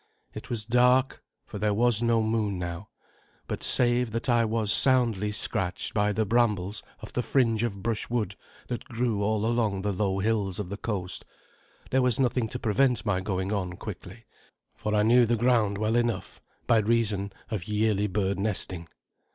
It was dark, for there was no moon now, but save that I was soundly scratched by the brambles of the fringe of brushwood that grew all along the low hills of the coast, there was nothing to prevent my going on quickly, for I knew the ground well enough, by reason of yearly bird nesting.